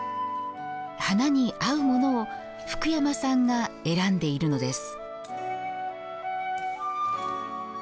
花に合うものを福山さんが選んでいるのです。